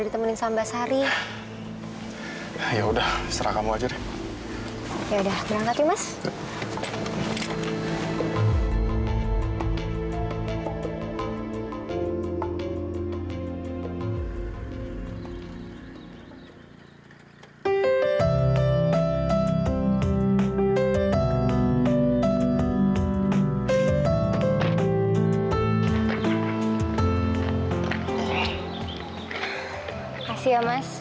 terima kasih ya mas